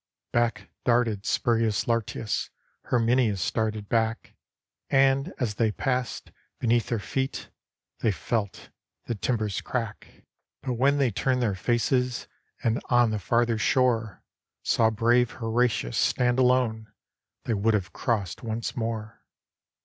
Back darted Spurius Lartius* Herminius darted back: And, as they passed, beneath their feet They felt the timbers crack. 284 HORATIUS But when they turned their faces, And on the farther shore Saw brave Horatius stand alone, They would have crossed once more.